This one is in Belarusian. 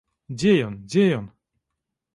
Дзе ён, дзе ён?